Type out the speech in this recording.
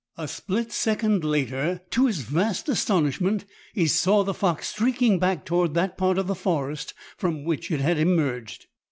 A split second later, to his vast astonishment, he saw the fox streaking back toward that part of the forest from which it had emerged.